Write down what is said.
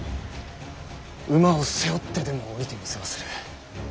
馬を背負ってでも下りてみせます。